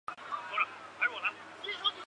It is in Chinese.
克鲁格说服朱尼尔开枪自杀。